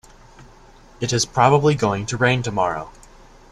It is probably going to rain tomorrow.